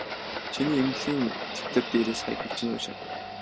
Чиний эмнэлгийн дэвтэр дээрээс хаягийг чинь уншаад.